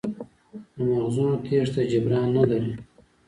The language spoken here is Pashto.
د مغزونو تېښته جبران نه لري.